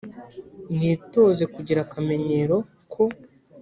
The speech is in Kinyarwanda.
mwitoze kugira akamenyero ko